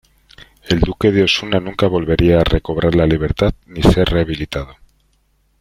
El Duque de Osuna nunca volvería a recobrar la libertad ni ser rehabilitado.